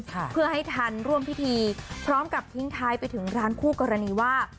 เพื่อให้ทันร่วมพิธีพร้อมกับทิ้งท้ายไปถึงร้านคู่กรณีว่า